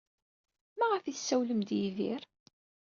Maɣef ay tessawlem ed Yidir?